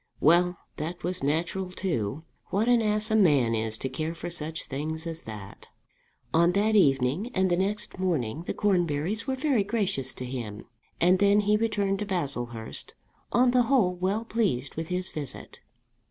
"Well, that was natural too. What an ass a man is to care for such things as that!" On that evening and the next morning the Cornburys were very gracious to him; and then he returned to Baslehurst, on the whole well pleased with his visit.